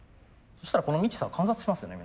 そしたらこのミキサー観察しますよね